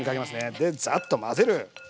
でザッと混ぜる。